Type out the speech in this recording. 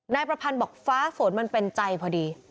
นายประพันธ์บอกฟ้าฝนมันเป็นใจพอดี